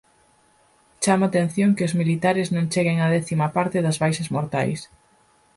Chama a atención que os militares non cheguen á décima parte das baixas mortais.